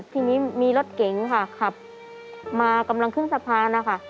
ทีนี้มีรถเก๋งค่ะขับมากำลังขึ้นสะพานนะคะ